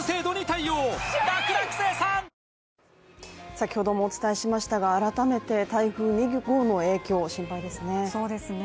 先ほどもお伝えしましたが改めて台風２号の影響、心配ですね。